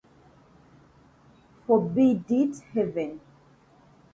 Forbid it Heaven!